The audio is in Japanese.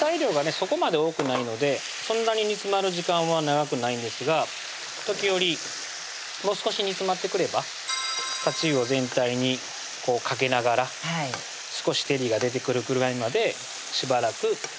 そこまで多くないのでそんなに煮詰まる時間は長くないんですが時折もう少し煮つまってくればたちうお全体にかけながら少し照りが出てくるくらいまでしばらく火を通していきます